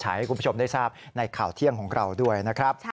ให้คุณผู้ชมได้ทราบในข่าวเที่ยงของเราด้วยนะครับ